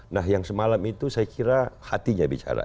nah yang semalam itu saya kira hatinya bicara